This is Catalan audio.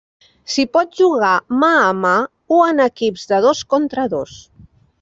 S'hi pot jugar mà a mà o en equips de dos contra dos.